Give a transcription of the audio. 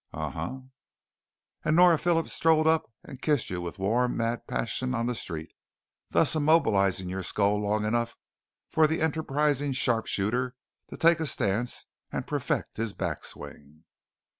"Uh " "And Nora Phillips strode up and kissed you with warm, mad passion on the street, thus immobilizing your skull long enough for the enterprising sharpshooter to take a stance and perfect his backswing."